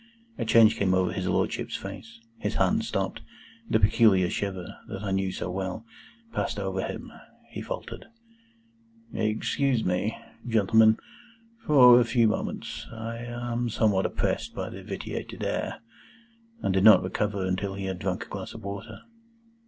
A change came over his Lordship's face; his hand stopped; the peculiar shiver, that I knew so well, passed over him; he faltered, "Excuse me, gentlemen, for a few moments. I am somewhat oppressed by the vitiated air;" and did not recover until he had drunk a glass of water.